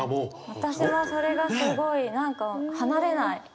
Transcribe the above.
私はそれがすごい何か離れない。